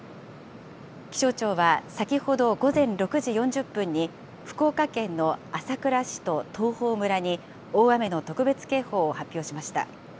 気象庁は先ほど午前６時４０分に福岡県の朝倉市と東峰村に、大雨の特別警報を発表しました。